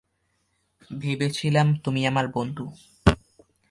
ভেবেছিলাম তুমি আমার বন্ধু।